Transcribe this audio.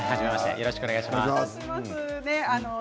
よろしくお願いします。